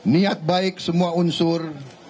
niat baik semua unsur